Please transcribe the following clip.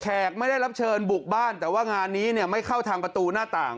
ไม่ได้รับเชิญบุกบ้านแต่ว่างานนี้เนี่ยไม่เข้าทางประตูหน้าต่าง